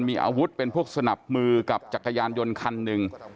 มีอาวุธเป็นพวกสนับมือกับจักรยานยนต์คันหนึ่ง